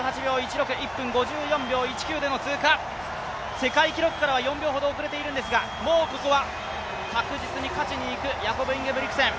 世界記録からは４秒ほど遅れているんですが、もうここは、確実に勝ちに行くヤコブ・インゲブリクセン。